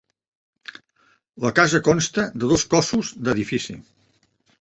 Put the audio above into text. La casa consta de dos cossos d'edifici.